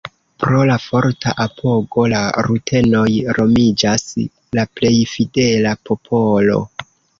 Pro la forta apogo la rutenoj nomiĝas la plej fidela popolo.